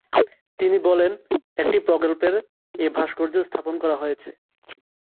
তিনি বলেন, একটি প্রকল্পের এ ভাস্কর্য স্থাপন করা হয়েছে।